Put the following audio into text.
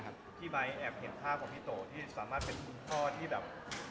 พี่ไบท์แอบเห็นภาพของพี่โตที่สามารถเป็นคุณพ่อที่แบบ